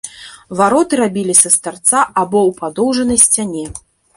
Вароты рабіліся з тарца або ў падоўжанай сцяне.